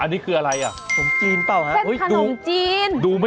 แต่ข้าวเหนียวยากกว่านี้นะ